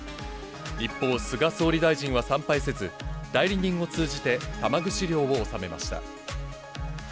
一方、菅総理大臣は参拝せず、代理人を通じて玉串料を納めました。